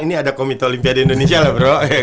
ini ada komite olimpia di indonesia lah bro